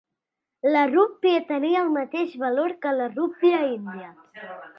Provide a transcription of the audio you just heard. La rúpia tenia el mateix valor que la rúpia índia.